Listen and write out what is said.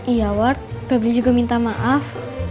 iya ward peblis juga minta maaf